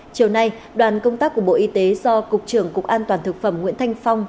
chiều nay đoàn công tác của bộ y tế do cục trưởng cục an toàn thực phẩm nguyễn thanh phong